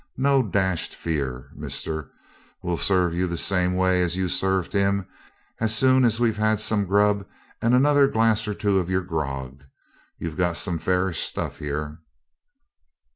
No dashed fear, mister, we'll serve you the same way as you served him, as soon as we've had some grub and another glass or two of your grog. You've got some fairish stuff here.'